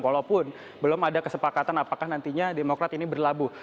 walaupun belum ada kesepakatan apakah nantinya demokrat ini berlabuh